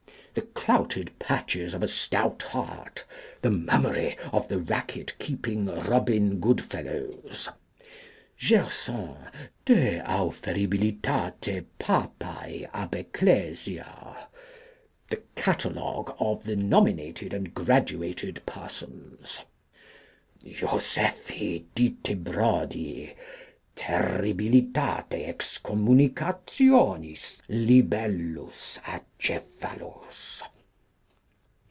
The Clouted Patches of a Stout Heart. The Mummery of the Racket keeping Robin goodfellows. Gerson, de auferibilitate Papae ab Ecclesia. The Catalogue of the Nominated and Graduated Persons. Jo. Dytebrodii, terribilitate excommunicationis libellus acephalos.